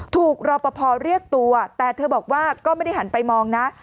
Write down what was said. รอปภเรียกตัวแต่เธอบอกว่าก็ไม่ได้หันไปมองนะ